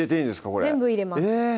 これ全部入れますえぇ？